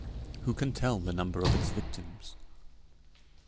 Who can tell the number of its victims?"